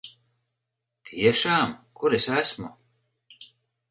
Tiešām? Kur es esmu?